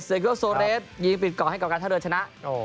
เซเกอร์โซเลสยิงปิดก่อนให้กับการทะเรือชนะ